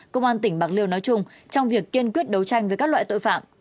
công an tỉnh bạc liêu nói chung trong việc kiên quyết đấu tranh với các loại tội phạm